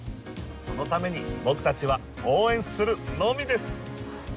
そのために僕たちは応援するのみです